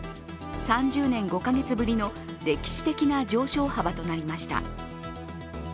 ３０年５か月ぶりの歴史的な上昇幅となりました。